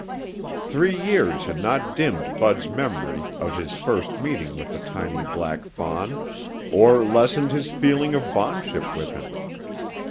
Three years had not dimmed Bud's memory of his first meeting with the tiny black fawn or lessened his feeling of bondship with him.